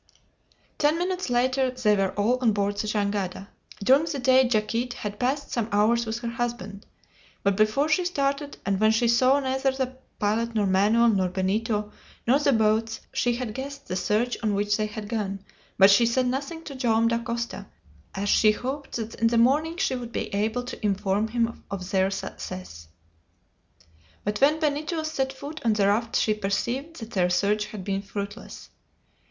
Ten minutes later they were all on board the jangada. During the day Yaquit had passed some hours with her husband. But before she started, and when she saw neither the pilot, nor Manoel, nor Benito, nor the boats, she had guessed the search on which they had gone, but she said nothing to Joam Dacosta, as she hoped that in the morning she would be able to inform him of their success. But when Benito set foot on the raft she perceived that their search had been fruitless.